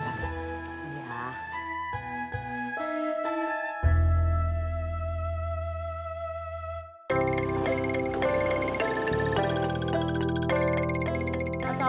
semarang semarang semarang